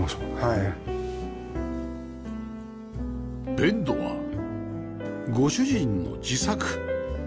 ベッドはご主人の自作